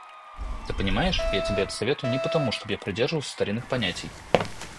Ты понимаешь, я тебе это советую не потому, чтоб я придерживался старинных понятий.